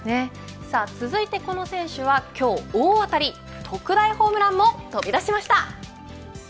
続いてこの選手は今日、大当たり特大ホームランも飛び出しました。